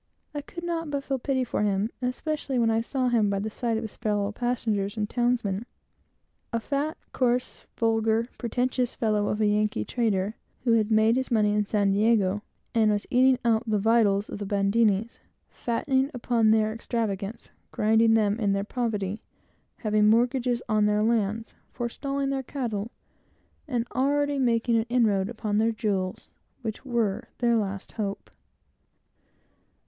I could not but feel a pity for him, especially when I saw him by the side of his fellow passenger and townsman, a fat, coarse, vulgar, pretending fellow of a Yankee trader, who had made money in San Diego, and was eating out the very vitals of the Bandinis, fattening upon their extravagance, grinding them in their poverty; having mortgages on their lands, forestalling their cattle, and already making an inroad upon their jewels, which were their last hope.